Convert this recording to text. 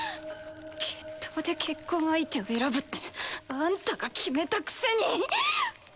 決闘で結婚相手を選ぶってあんたが決めたくせに！